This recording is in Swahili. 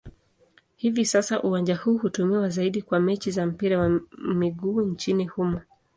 Hivi sasa uwanja huu hutumiwa zaidi kwa mechi za mpira wa miguu nchini humo.